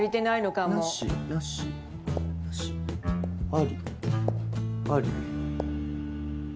あり。